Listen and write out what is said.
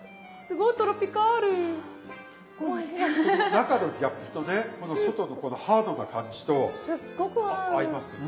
中のギャップとね外のこのハードな感じと合いますよね。